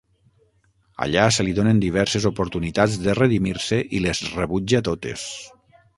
Allà se li donen diverses oportunitats de redimir-se i les rebutja totes.